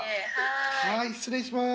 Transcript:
はい失礼します